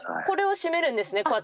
これを閉めるんですね